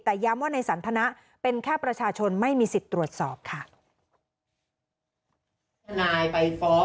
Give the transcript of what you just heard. แต่ย้ำว่าในสันทนะเป็นแค่ประชาชนไม่มีสิทธิ์ตรวจสอบค่ะ